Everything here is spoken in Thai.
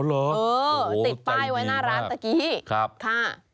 อ๋อเหรอติดป้ายไว้หน้าร้านเมื่อกี้ค่ะใจดีมาก